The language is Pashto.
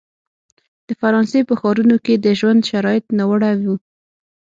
د فرانسې په ښارونو کې د ژوند شرایط ناوړه وو.